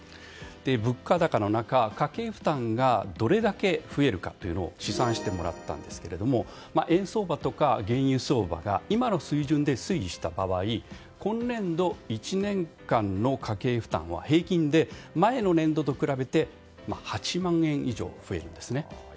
物価高の中家計負担がどれだけ増えるか試算してもらったんですが円相場とか原油相場が今の水準で推移した場合今年度１年間の家計負担は平均で前の年度と比べて８万円以上増えるんですね。